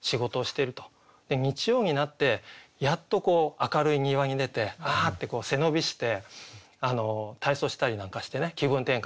日曜になってやっとこう明るい庭に出て「あ」って背伸びして体操したりなんかしてね気分転換してると。